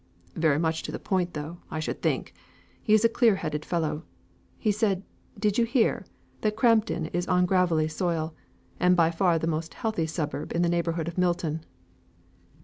"Very much to the point though, I should think. He is a clear headed fellow. He said (did you hear?) that Crampton is on gravelly soil, and by far the most healthy suburb in the neighbourhood of Milton."